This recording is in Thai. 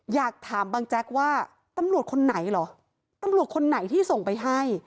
อยากถามบางแจ๊กว่าตำรวจคนไหนเหรอตำรวจคนไหนที่ส่งไปให้